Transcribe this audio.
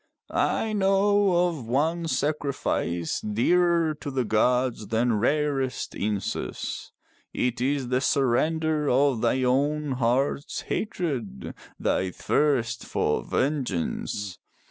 I know of one sacrifice dearer to the gods than rarest incense. It is the surrender of thine own heart's hatred, thy thirst for vengeance.